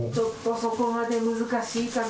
そこまで難しいかな。